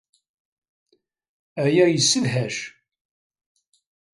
Aya yessedhac.